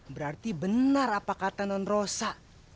berarti benar apa kata non rosa